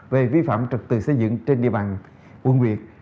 về vi phạm trật tự xây dựng trên địa bàn quận huyện